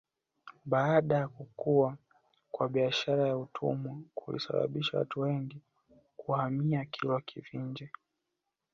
Baada ya kukua kwa biashara ya utumwa kulisababisha watu wengi kuhamia Kilwa Kivinje